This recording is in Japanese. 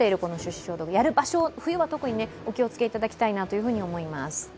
消毒やる場所を冬は特にお気をつけいただきたいと思います。